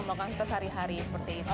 untuk kesehatan sehari hari seperti itu